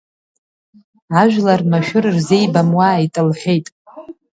Ажәлар машәыр рзеибамуааит лҳәеит…